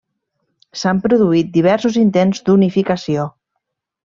S'han produït diversos intents d'unificació.